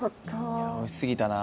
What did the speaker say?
いや美味しすぎたな。